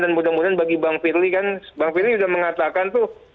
dan mudah mudahan bagi bang pirli kan bang pirli udah mengatakan tuh